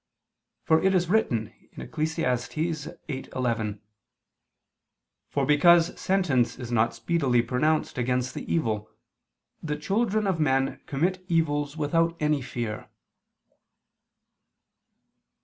For it is written (Eccles. 8:11): "For because sentence is not speedily pronounced against the evil, the children of men commit evils without any fear."